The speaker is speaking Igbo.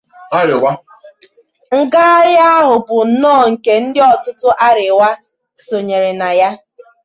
Ngagharị ahụ bụ nnọọ nke ọtụtụ ndị Arewa sonyere na ya